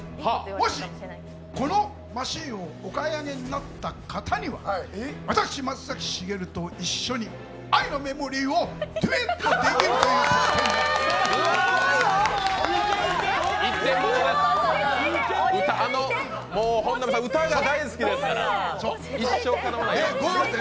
もしこのマシンをお買い上げになった方には私、松崎しげると一緒に「愛のメモリー」をデュエットできます。